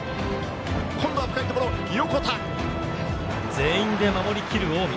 全員で守り切る近江。